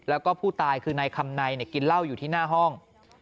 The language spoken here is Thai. แล้วก็ผู้ตายคือนายคำในกินเหล้าอยู่ที่หน้าห้อง